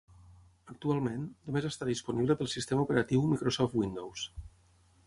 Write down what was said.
Actualment, només està disponible pel sistema operatiu Microsoft Windows.